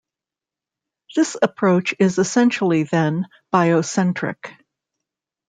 This approach is essentially then, bio-centric.